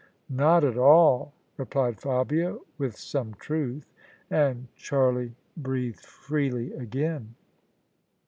" Not at all," replied Fabia with some truth : and Charlie breathed freely again.